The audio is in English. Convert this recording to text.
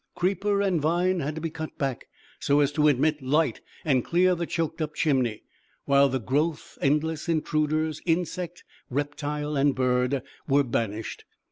Creeper and vine had to be cut back, so as to admit light and clear the choked up chimney, while with the growth endless intruders, insect, reptile, and bird, were banished.